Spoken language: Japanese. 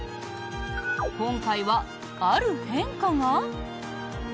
今回は、ある変化が？